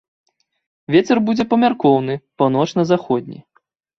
Вецер будзе памяркоўны паўночна-заходні.